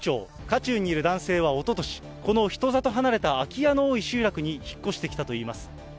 渦中にいる男性はおととし、この人里離れた空き家の多い集落に引っ越してきたといいます。